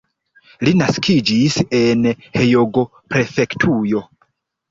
Li naskiĝis en Hjogo-prefektujo.